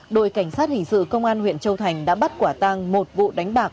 đội cảnh sát hình sự công an huyện châu thành đã bắt quả tang một vụ đánh bạc